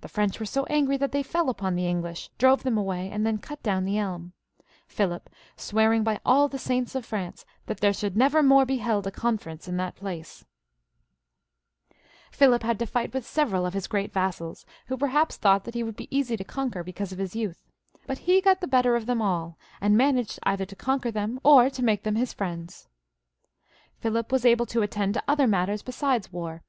The French were so angry that they fell upon the English, drove them away, and then cut down the elm, Philip " swearing by all the saints of France that there should never more be held a conference in that placa" PhUip had to fight with several of his great vassals, who perhaps thought that he would be easy to conquer because of his youth ; but he got the better of them all, and managed either to conquer them or to make them his friends. Philip was able to attend to other matters besides war.